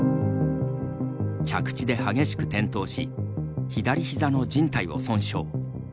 着地で激しく転倒し左ひざのじん帯を損傷。